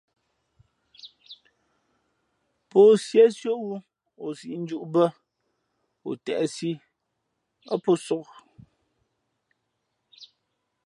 Pō síésí ō wū o sīʼ njūʼ bᾱ, o têʼsi ά pō sōk ō.